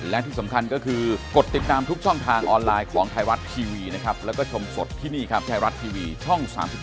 เดี๋ยวจาร์อันชัยพูดเขาบอกเพื่อไทยเป็นตัวแปร